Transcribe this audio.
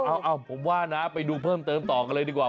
เอ้าผมว่านะไปดูเพิ่มเติมต่อกันเลยดีกว่า